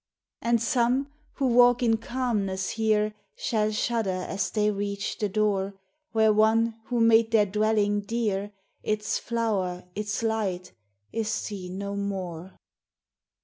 And some, who walk in calmness here, Shall shudder as they reach the door Where one who made their dwelling dear, Its flower, its light, is seen no more.